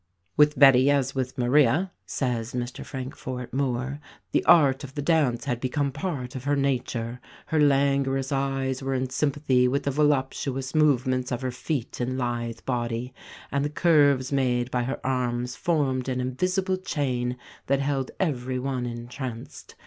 "With Betty as with Maria," says Mr Frankfort Moore, "the art of the dance had become part of her nature. Her languorous eyes were in sympathy with the voluptuous movements of her feet and lithe body, and the curves made by her arms formed an invisible chain that held everyone entranced.